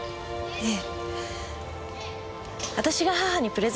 ええ。